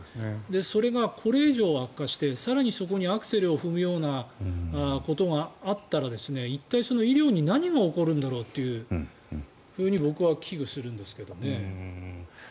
それがこれ以上悪化して更にそこにアクセルを踏むようなことがあったら一体医療に何が起こるんだろうと僕は危惧するんですけどね。